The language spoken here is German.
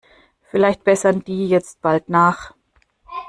Vielleicht bessern die jetzt bald nach.